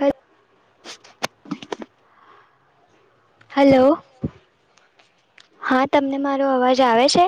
હ હેલો હા તમને મારો અવાજ આવે છે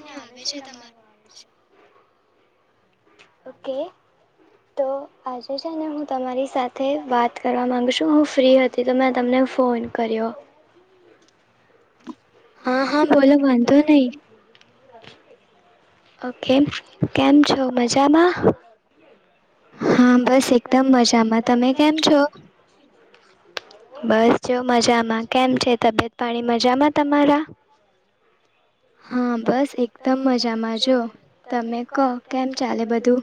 આવે છે તમારો આવાજ ઓકે તો આજે છે ને હું તમારી સાથે સાથે વાત કરવા માગુ છું હું ફ્રી હતી તો મેં તમને ફોન કર્યો હા હા બોલો વાંધો નહી ઓકે કેમ છો મજામાં બસ એકદમ મજામાં તમે કેમ છો બસ જો મજામાં કેમ છે તબિયત પાણી મજામાં તમારા હા હા બસ એકદમ મજામાં જો તમે કહો કેમ ચાલે બધું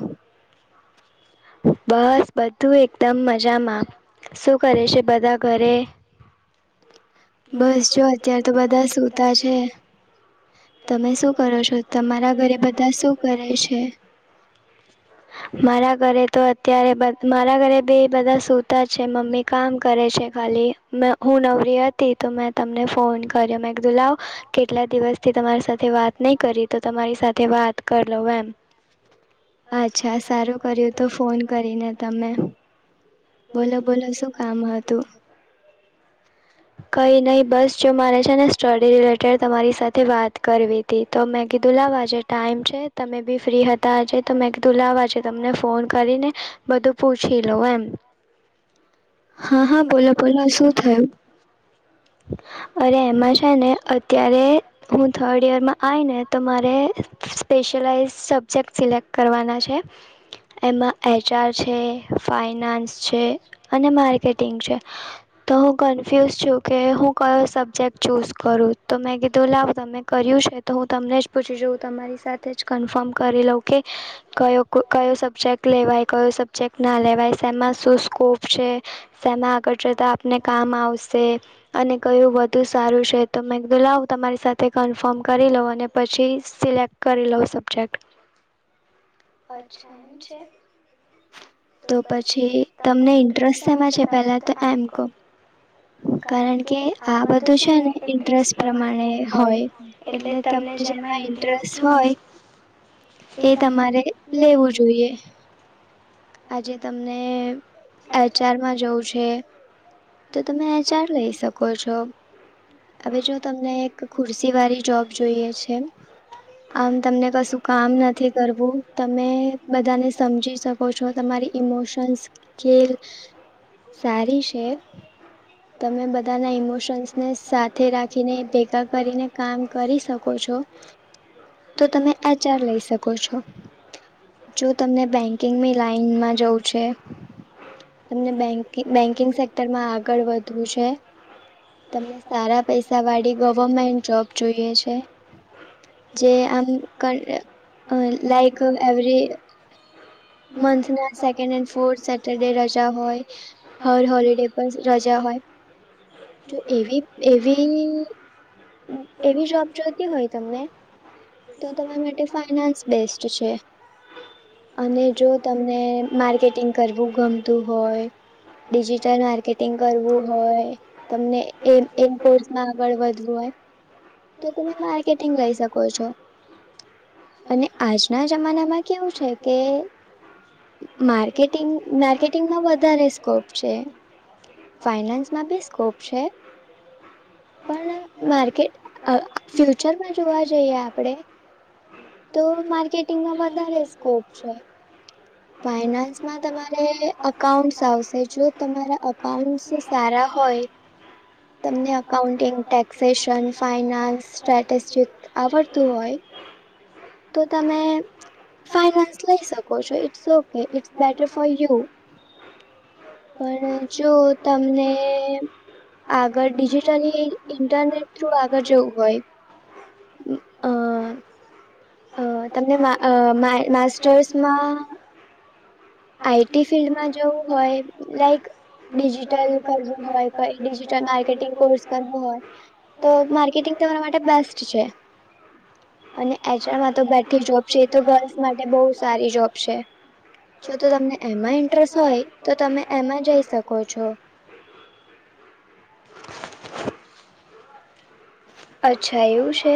બસ બધું એકદમ મજામાં શું કરે છે બધા ઘરે બસ જો અત્ય્યારે તો બધા સૂતા છે તમે શું કરો છો તમારા ઘરે બધા શું કરે છે મારા ઘરે તો અત્યારે બ મારા ઘરે બી બધા સુતા છે મમ્મી કામ કરે છે ખાલી મે હુ હું નવરી હતી તો મેં તમને ફોન કર્યો મે કીધું લાવ કેટલા દિવસથી તમારી સાથે વાત નહી કરી તો તમારી સાથે વાત કરી લવ એમ અચ્છા સારું કર્યું તો ફોન કરીને તમે બોલો બોલો શું કામ હતું કઈ નહી બસ જો મારે છે ને સ્ટડી રિલેટેડ તમારી સાથે વાત કરવી હતી તો મેં કીધું લ લાવ આજે ટાઈમ છે તમે બી ફ્રી હતા આજે તો મેં કીધું લાવ આજે તમને ફોન કરીને બધું પૂછી લોઉ એમ હા હા બોલો બોલો શું થયું અરે એમાં છે ને અત્યારે હું થર્ડ યરમાં આવી ને તો મારે સ્પેશિયલાઇઝ સબ્જેક્ટ સિલેક્ટ કરવાના છે એમાં એચઆર છે ફાઈન ફઇનાન્સ છે અને માર્કેટિંગ છે તો કન્ફ્યુઝ છું કે હું કયો સબ્જેક્ટ ચૂઝ કરું તો મેં કીધું લાવ તમે કર્યું છે તો હું હું તમને જ પૂછી જઉં તમારી સાથે જ કન્ફર્મ કરી લઉં કે કયો કયો સબ્જેક્ટ લેવાય કયો સબ્જેક્ટ ના લેવાય શેમાં શું સ્કોપ છે શેમાં આગળ જતા આપને કામ આવશે અને કયું વધુ સારું છે તો મે કીધું લાવ તમારી સાથે કન્ફર્મ કરી લઉં અને પછી સિલેક્ટ કરી લઉ સબજેક્ટ અચ્છા એમ છે તો પછી તમને ઇન્ટરેસ્ટ સેમાં છે પેલા તો એમ કો [inaudible] કારણ કે આ બધું છે ને ઇન્ટરેસ્ટ પ્રમાણે હોય એટલે તમને જેમાં ઇન્ટરેસ્ટ હોય [inaudible] એ તમારે લેવું જોઈએ આજે તમને એચઆરમાં જવું છે. તો તમે આ ચાર લઈ શકો છો. હવે જો તમને એક ખુરશી વાળી જોબ જોઈએ છે. આમ તમને કશું કામ નથી કરવું તમે બધાને સમજી શકો છો તમારી ઇમોશન સ્લ સારી છે. હ. તમે બધાના ઇમોશન્સ ને સાથે રાખીને ભેગા કરીને કામ કરી શકો છો તો તમે આ ચાર લઈ શકો છો. જો તમને બેંકિંગની લાઈનમાં જવું છે. તમને બેં બેંકિંગ સેક્ટરમાં આગળ વધવું છે. તમે સારા પૈસા વાળી ગવર્મેન્ટ જોબ જોઈએ છે. જે જે આ લાઈક એવરી મંથ ના સેકન્ડન્ડ ફોર્થ સે -' રજા હોય હર હોલિડે પર રજા હોય. તો એવી એવ. એવી જોબ જોતી હોય તમને તો તમારા માટે ફાઈનાન્સ બેસ્ટ છે. અને જો તમને માર્કેટિંગ કરવું હોય ડિજિટલ માર્કેટિંગ કરવું. હોય તમને એ કોર્સમાં આગળ વધવું હોય તો તમે માર્કેટિંગ લઈ શકો છો. જો [inaudible] માર્કેટંગ માર્કેટિંગમાં વધારે સ્કોપ છે. ફાઈનાન્સ માં બી સ્કોપ છે. પણ માર્કેટ ફ્યુચરમાં જોવા જઈએ આપણેે તો માર્કેટિંગમાં વધારે સ્કોપ છે. ફાયનાન્સ માં અઉન્ટસ આવશે જો તમારા અકાઉન્ટસ સારા હોય. તમને અઉન્ટિંગ ટેક્સેશન ફાઈનાન્સ સ્ટટેસ્ટિક આવડતું હોય તો તમે ફાઈનાન્સ લઈ શકો છો it's okay it's bet for you. પણ જો તમને આગળ ડિજિટલી ઇન્ટરનેટ થ્રુ આગળ જવું હોય હમ. અ તમને માસ્ટર્સમાં આઈટી ફિલ્ડમાં જોવું હોય લાઈક ડિજિટલ કરવું હોયઈ િટલ માર્કેટિંગ કોર્સ કરવો હોય તો માર્કેટિંગ તમારા માટે બેસ્ટ છે. હ. અને એચમાં તો બેઠી જોબ છે એ તો ગર્લ્સ માટે બહુ સારી જોબ છે. જો તો તમને એમાં ઇન્ટરેસ્ટ હોય તો તમે એમાં જઈ શકો છો. [inaudible] અચ્છા એવું છે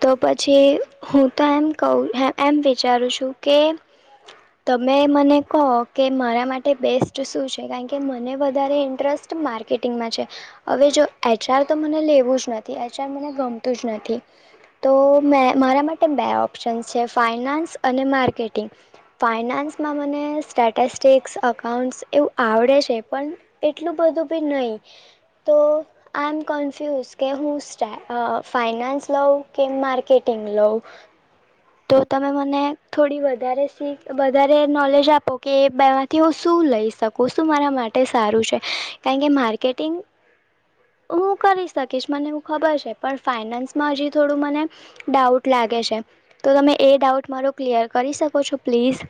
તો પછી. હું તો એમ કહું એમ વિચારું છું કે. તમે મને કહો કે મારા માટે બેસ્ટ શું છે કારણ કે મને વધારે ઇન્ટરેસ્ટ માર્કેટિંગમાં છે હવે જો એચઆર તો મને લેવું જ નથી એચઆર મને ગમતું જ નથી તો મે મારા માટે બે ઓપ્શનસ છે ફાઈનાન્સ અને માર્કેટિંગ ફાાઈનાન્સમાં મને સ્ટેટસ્ટિક્સ અકાઉન્ટ્સ એવું આવડે છે પણ એટલું બધું બ નહી તો આઈ એમ કન્ફ્યુઝ કે હું ફનાસ લવ કે માર્કેટિંગ લઉ તો તમે મને થોડી વધારે શીખ વધારે નોલેજ આપો કે એ એમાંથી હું શું લઈ શકું શું મારા માટે સારું કારણ કે માર્કેટિંગ હું કરી શકીશ મને એું ખબર છે પણ ફાઈનાન્સ માં હજી થોડું મને ડાઉટ લાગ તો તમે એ ડાઉટ મારો ક્લિયર કરી શકો છો પ્લીઝ.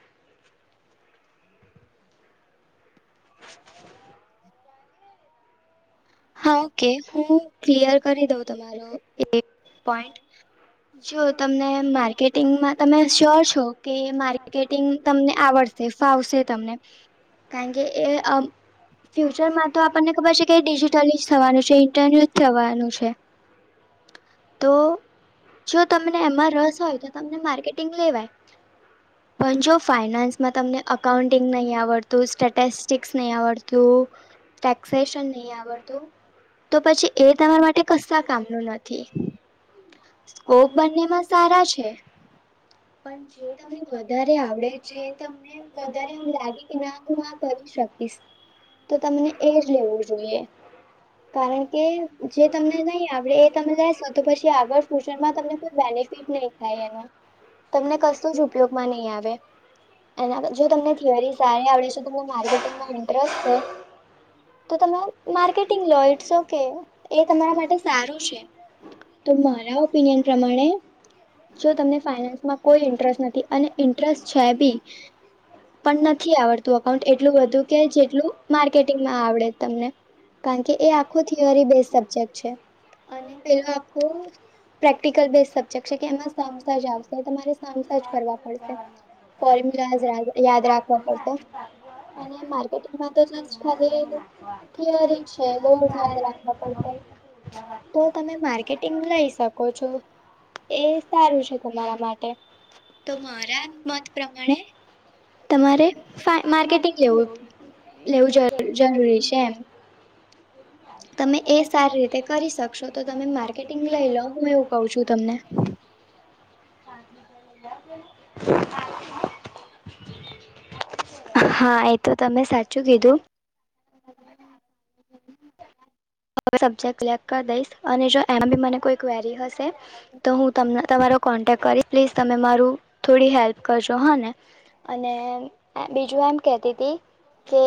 હા ઓકે હું ક્લિયર કરી દઉં તમારો એક પોઈન્ટ. જો તમને માર્કેટિંગમાં તમે શ્યોર છો કે માર્કેટિંગ તમને આવડશે. આવશે તમને, કારણ કે એ ફ્યુચર માં તો આપણને ખબર છે કે ડિ થવાનું છે ઇન્ટરન્યુ થવાનું છે. તો જો તમને એમાં રસ હોય તો તમને માર્કેટિંગ લેવાય. પણ જો ફાઈનાન્સમાં તમને અકાઉન્ટિંગ નહી આવડતું સ્ટેટસ્ટિકસ નહી આવડતું. ટેક્સેેશન નહી આવડ તો પછી એ તમારા માટે કશા કામનું નથી. સ્કોપ બંનેમાં સારા છે. પણ જે તમને વધારે આવડે જે તમને વધારે એમ લાગે કે ના હું આ કર શકીશ, તો તમને એર લેવું જોઈએ. કારણ કે જે તમને નઈ આપડે એ તમે જાય તો પછી આગળ ફ્યુચરમાં તમને કોઈ બેનિફિટ નહીં થાય એનો. તમને કશું જ ઉપયોગમાં નહીં આવે. એના જો તમને થિયરી સારી આવડે છે તમને માર્કેટિંગમાં ઇન્ટરેસ્ટ છે. તો તમે માર્કેટિંગ લો ઇટ્સ ઓકે એ તમારા માટે સારું છે. તો મારા ઓપિનિયન પ્રમાણે જો તમને ફાઈનાન્સમાં કોઈ ઇન્ટરેસ્ટ નથી અને ઇન્ટરેસ્ટ છે બી પણ નથી આવડતું અકાઉન્ટ એટલું બધું કે જેટલું માર્કેટિંગમાં આવડે તમને. કારણ કે એ આખો થિયોરી બેઝ સબ્જેક્ટ છે, અને પેલો આખું પ્રેક્ટિકલ બે સબ્જેક્ટ છે કે એમાં સાજ આવશે તમારે સાજ કરવા પડશે, ફ યાદ રાખ પડ, અને માર્કેટંગમાં તો ખાલી ખ છે [unintelligible] તમે માર્કેટિંગ લઈ શકો છો. એ સારું છે તમારા માટે, તો મારા મત પ્રમાણે તમારે માર્કેટિંગ લેવું લેવું જરૂરી છે એમ. તમે એ સારી રીતે કરી શકશો. તો તમે માર્કેટિંગ લઈ લો હું એવું કહ છું તમને. [unintelligible] હા એ તો તમે સાચું કીધું. [inaudible] હ સબ્જેક્ટ ક્લેક્ટ કરી દઈશ અને જો એમાં બી મને કોઈ ક્વેરી હશે. તો હું ત તમારો કોન્ટેક કરી પ્લીઝ તમે મારું થોડી હેલ્પ કરજો હા ને, અને બીજું એમ કેતી તી, કે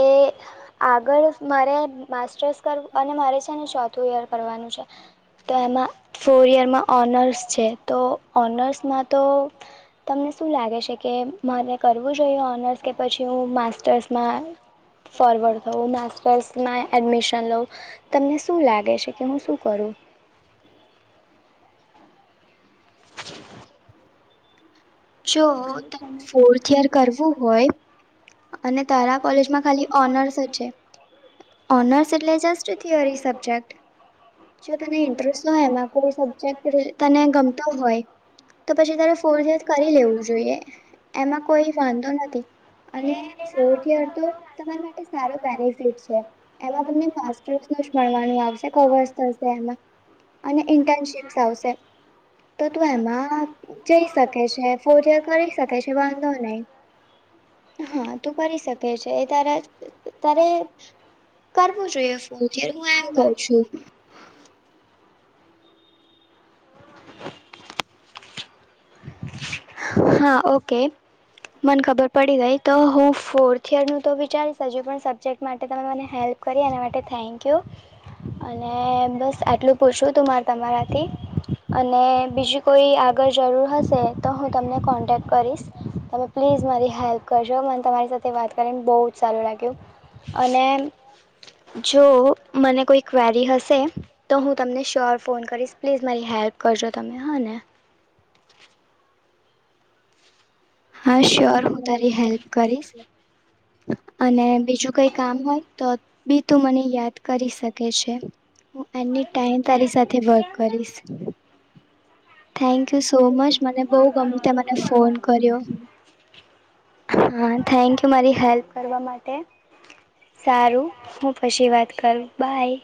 આગળ મારે માસ્ટર્સ કરવું અને મારે છે ને ચોથું ઇયર કરવાનું છે, તો એમાં ફોર યરમાં ઓનર્સ છે તો ઓનર્સમાં તો તમને શું લાગે છે કે મારે કરવું જોઈએ ઓનર્સ કે પછી હું માસ્ટર્સમાં ફારવર્ડ થો માાસ્ટરસમાં અડમિશન લો. તમને શું લાગે છે કે હું શું કરું? [inaudible] જો ફોર્થ યર કરવું હોય. અને તારા કોલેજમાં ખાલી ઓનર્સ જ છે. ઓનર્સ એટલે જસ્ટ થથીયોરી સબ્જેક્ટ. જો તને ઇન્ટરેસ્ટ હોય એમાં કોઈ સબ્જેક્ટ તને ગમતો હોય. તો પછી તારે ફોર જોઈએ, એમાં કોઈ વાંધો નથી. અને ફોર્થ યર તો તમારી માટે સારો બેનિફિટ છે એમાં તમને માસ્ટર્સ નુ મળવાનું આવશે કવર્સ થશે એમાં અને ઇન્ટર્નશીપ્સ આવશે. તો તું એમાં જઈ શકે છે. ફોર્થ યર કરી શકે છે વાંધો નહી હા તું કરી શકે છે એ ત્યારે તારે તારે કરવો જોઈએ ફોર્થ યર હું એમ કહું છું. હા ઓકે મને ખબર પડી ગઈ તો હું ફોર્થ ઈયર નું તો વિચારીશ હજુ પણ સબ્જેક્ટ માટે તમે મને હેલ્થ કરી એના માટે થેન્ક યુ. અને બસ આટલું પૂછવું તું મા તમારાથી અને બીજી કોઈ આગળ જરૂર હશે તો હું તમને કોન્ટેક્ટ કરીશ તમે પ્લીઝ પ્લીઝ મારી હેલ્પ કરજો મને તમારી સાથે વાત કરીને બહુ જ સારું લાગ્યું અને જો મને કોઈ ક્વેરી હશે તો હું તમને શ્યોર ફોન કરીશ પ્લીઝ મારી હેલ્પ કરજો તમે હા ને હા શ્યોર હું તારી હેલ્પ કરીશ. અને બીજું કઈ કામ હોય તો બી તું મને યાદ કરી શકે છે. હું એની ટાઈમ તારી સાથે વર્ક કરીશ. થેન્કયુ સો મચ મને બહુ ગમે તે મને ફોન કર્યો. હા થેન્ક યુ મારી હેલ્પ કરવા માટે સારું હું પછી વાત કરું બાય.